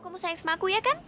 kamu sayang sama aku ya kan